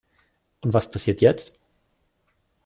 Und was passiert jetzt?